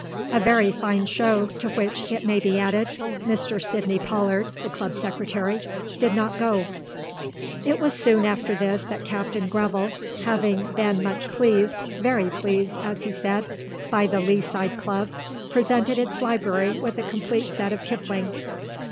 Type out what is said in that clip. A very fine show, to which, it may be added, Mr. Sidney Pollard, the Club Secretary, did not go. It was soon after this that Captain Greville, having been much pleased very pleased, as he said by the Lea side Club, presented its library with a complete set of Kipling.